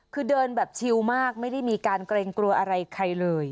คือเดินแบบชิลมากไม่ได้มีการเกรงกลัวอะไรใครเลย